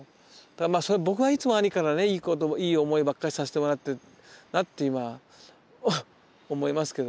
僕がいつも兄からねいい思いばっかりさせてもらったなって今思いますけどね。